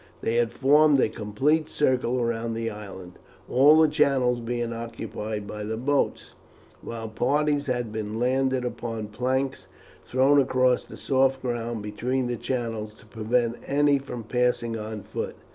They had formed a complete circle round the island, all the channels being occupied by the boats, while parties had been landed upon planks thrown across the soft ground between the channels to prevent any from passing on foot.